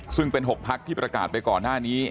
ซึ่งเป็น๖พักที่ประกาศไปก่อนหน้านี้